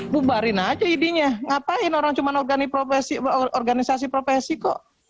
bu barin aja idi nya ngapain orang cuma organisasi profesi kok